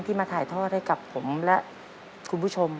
มาถ่ายทอดให้กับผมและคุณผู้ชม